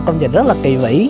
công dịch rất là kỳ vĩ